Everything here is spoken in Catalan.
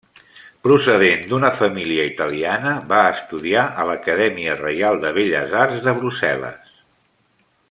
Procedent d'una família italiana va estudiar a l'Acadèmia Reial de Belles Arts de Brussel·les.